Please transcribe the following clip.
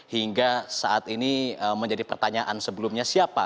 hingga saat ini menjadi pertanyaan sebelumnya siapa